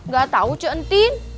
gak tau cu entin